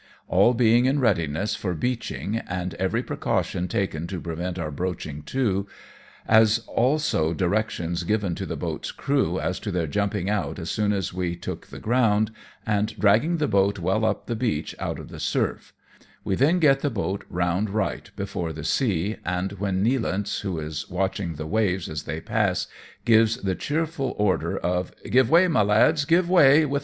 All being in readiness for beaching, and every pre caution taken to prevent our broaching to ; as also direc tions given to the boat's crew as to their jumping out as soon as we took the ground, and dragging the boat well up the beach out of the surf; we then get the boat round right before the sea, and when Nealance, who is watching the waves as they pass, gives the cheerful order of, " Give way my lads, give way, with 2 70 AMONG TYPHOONS AND PIRATE CRAFT.